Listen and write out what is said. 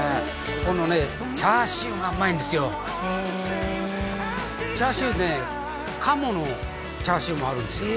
このねチャーシューがうまいんですよへえチャーシューね鴨のチャーシューもあるんですよ